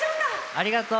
ありがとう！